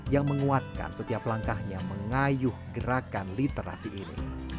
yang menguatkan setiap langkahnya mengayuh gerakan literasi ini